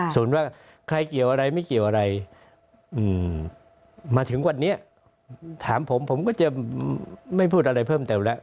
ส่วนว่าใครเกี่ยวอะไรไม่เกี่ยวอะไรมาถึงวันนี้ถามผมผมก็จะไม่พูดอะไรเพิ่มเติมแล้ว